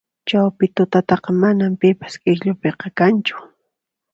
Chawpi tutataqa manan pipas k'ikllupiqa kanchu